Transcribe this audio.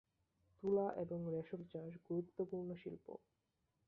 তুলা এবং রেশম চাষ গুরুত্বপূর্ণ শিল্প।